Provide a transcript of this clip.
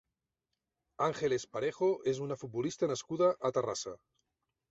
Ángeles Parejo és una futbolista nascuda a Terrassa.